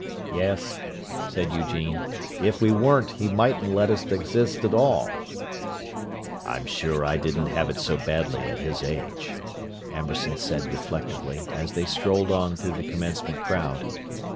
"Yes," said Eugene. "If we weren't he mightn't let us exist at all." "I'm sure I didn't have it so badly at his age," Amberson said reflectively, as they strolled on through the commencement crowd.